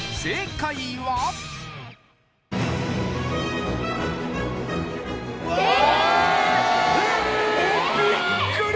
正解は？